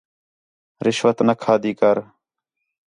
رشوت نہ کھادی کر